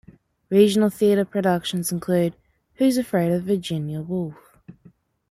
Regional theatre productions include: Who's Afraid of Virginia Woolf?